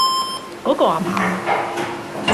嗰個啊嘛？